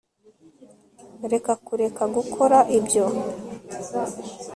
reka kureka gukora ibyo